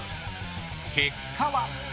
結果は。